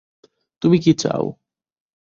তুমি কী চাও?